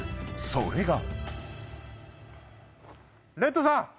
［それが］